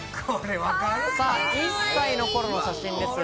１歳の頃の写真です。